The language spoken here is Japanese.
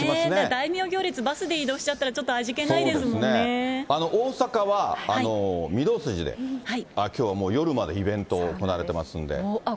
大名行列、バスで移動しちゃったら、大阪は御堂筋で、きょうはもう夜までイベント、行われてますんで。